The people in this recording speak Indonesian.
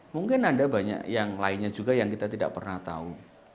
mungkin ada banyak yang lainnya juga yang kita tidak pernah tahu